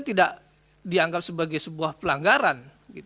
tidak dianggap sebagai sebuah pelanggaran